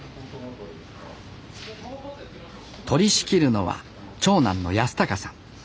取りしきるのは長男の康貴さん。